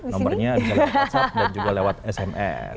nomornya bisa di whatsapp dan juga lewat sms